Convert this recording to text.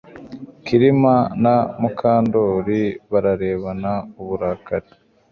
Kirima na Mukandoli bararebana nuburakari